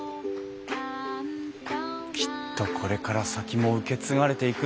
きっとこれから先も受け継がれていくんだろうなあ。